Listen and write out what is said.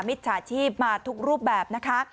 มิจฉาชีพมาทุกรูปแบบนะคะ